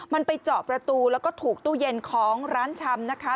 มันไปเจาะประตูแล้วก็ถูกตู้เย็นของร้านชำนะคะ